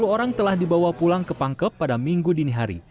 sepuluh orang telah dibawa pulang ke pangkep pada minggu dini hari